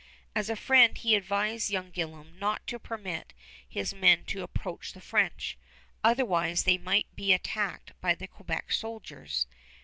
As a friend he advised young Gillam not to permit his men to approach the French; otherwise they might be attacked by the Quebec soldiers.